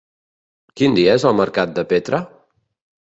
Quin dia és el mercat de Petra?